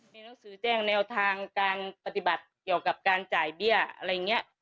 มีหนังสือแจ้งแนวทางการปฏิบัติเกี่ยวกับการจ่ายเบี้ย